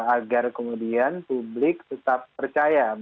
agar kemudian publik tetap percaya